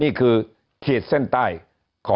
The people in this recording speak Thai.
หนี้ครัวเรือนก็คือชาวบ้านเราเป็นหนี้มากกว่าทุกยุคที่ผ่านมาครับ